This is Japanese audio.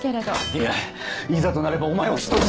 いやいざとなればお前を人質に。